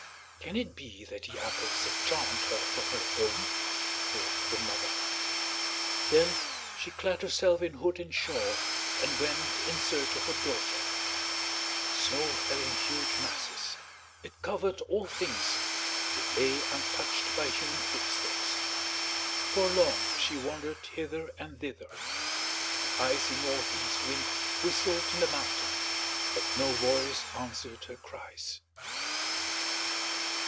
"Can it be that the apples have charmed her from her home?" thought the mother. Then she clad herself in hood and shawl and went in search of her daughter. Snow fell in huge masses; it covered all things, it lay untouched by human footsteps. For long she wandered hither and thither; the icy northeast wind whistled in the mountain, but no voice answered her cries.